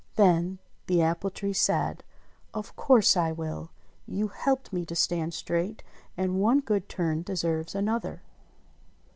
Then the apple tree said, "Of course I will. You helped me to stand straight, and one good turn deserves another."